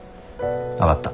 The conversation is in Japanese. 分かった。